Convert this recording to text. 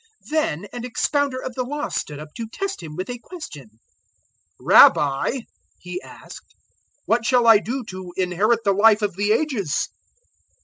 010:025 Then an expounder of the Law stood up to test Him with a question. "Rabbi," he asked, "what shall I do to inherit the Life of the Ages?"